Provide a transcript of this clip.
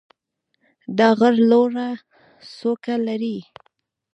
دا غر لوړه څوکه لري.